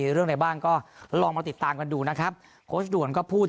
เรื่องอะไรบ้างก็ลองมาติดตามกันดูนะครับโค้ชด่วนก็พูด